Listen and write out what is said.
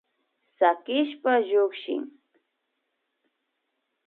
Sakishpa llukshin